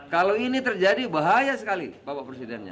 kalau ini terjadi bahaya sekali bapak presidennya